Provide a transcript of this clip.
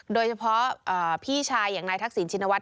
โดยเฉพาะพี่ชายอย่างนายทักษิณชินวัฒ